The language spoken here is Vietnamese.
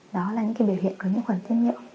đó là những biểu hiện của nhiễm khuẩn tiết niệm